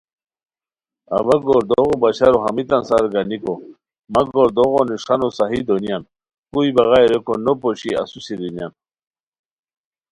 اوا گوردوغو بشارو ہمیتان سار گانیکو مہ گوردوغو نݰانو صحیح دونیان، کوئی بغائے ریکو نو پوشی اسوسی رینیان